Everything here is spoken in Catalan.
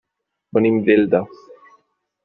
Venim d'Elda.